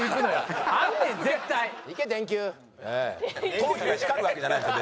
頭皮が光るわけじゃないんですよ